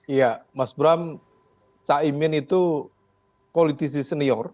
iya mas bram cak imin itu politisi senior